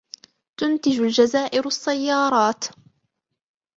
تنتج الجزائر السيارات.